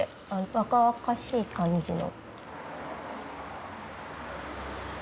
若々しい感じの。